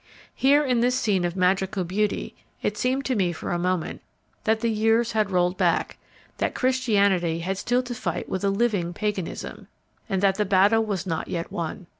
Here, in this scene of magical beauty, it seemed to me for a moment that the years had rolled back, that Christianity had still to fight with a living Paganism, and that the battle was not yet won.